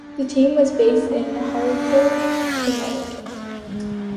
The team was based in Hartford, Connecticut.